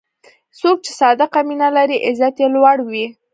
څوک چې صادق مینه لري، عزت یې لوړ وي.